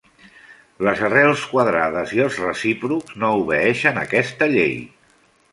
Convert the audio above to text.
Les arrels quadrades i els recíprocs no obeeixen aquesta llei.